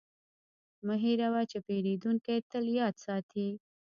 مه هېروه چې پیرودونکی تل یاد ساتي.